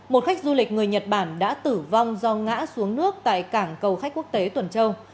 một khách du lịch người nhật bản đã tử vong do ngã xuống nước tại cảng cầu khách quốc tế tuần châu